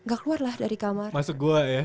gak keluar lah dari kamar masuk gua ya